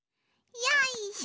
よいしょ。